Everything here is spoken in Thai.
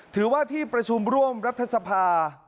ถือว่าที่ประชุมร่วมรัฐสภาพ